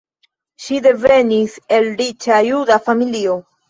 Ŝi devenis el riĉa juda familio.